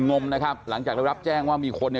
งมนะครับหลังจากได้รับแจ้งว่ามีคนเนี่ย